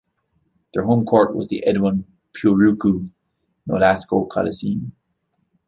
Their home court was the Edwin "Puruco" Nolasco Coliseum.